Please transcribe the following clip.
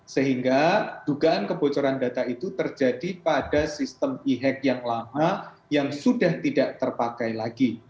sehingga dugaan kebocoran data itu terjadi pada sistem e hack yang lama yang sudah tidak terpakai lagi